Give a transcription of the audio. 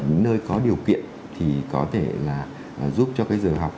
những nơi có điều kiện thì có thể là giúp cho cái giờ học